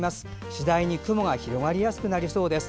次第に雲が広がりやすくなりそうです。